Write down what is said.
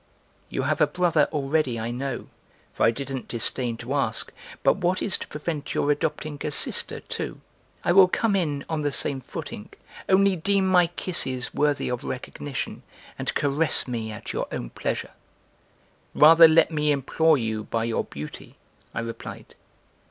"You have a brother already, I know, for I didn't disdain to ask, but what is to prevent your adopting a sister, too? I will come in on the same footing only deem my kisses worthy of recognition and caress me at your own pleasure!" "Rather let me implore you by your beauty," I replied.